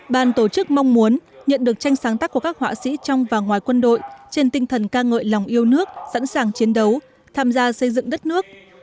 bàn tổ chức mong muốn nhận được tranh sáng tác của các họa sĩ trong và ngoài quân đội trên tinh thần ca ngợi lòng yêu nước sẵn sàng chiến đấu tham gia xây dựng đất nước